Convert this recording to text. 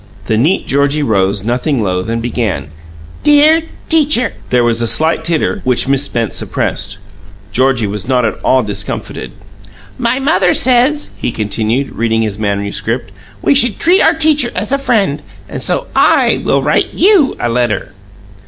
The neat Georgie rose, nothing loath, and began: "'Dear Teacher '" There was a slight titter, which Miss Spence suppressed. Georgie was not at all discomfited. "'My mother says,'" he continued, reading his manuscript, "'we should treat our teacher as a friend, and so I will write YOU a letter.'"